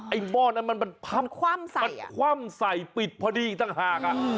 หม้อนั้นมันคว่ำใส่ปิดพอดีอีกต่างหาก